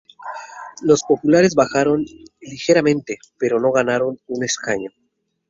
Los populares bajaron ligeramente, pero ganaron un escaño.